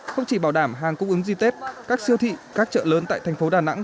không chỉ bảo đảm hàng cung ứng dịp tết các siêu thị các chợ lớn tại thành phố đà nẵng